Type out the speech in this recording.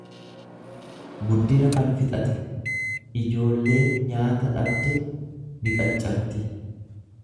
guddina kan fixate; Ijoolleen nyaata dhabde niqancarti.